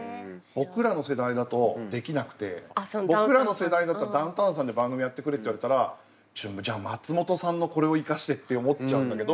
僕らの世代だとできなくて僕らの世代だったらダウンタウンさんで番組やってくれって言われたらじゃあ松本さんのこれを生かしてって思っちゃうんだけど。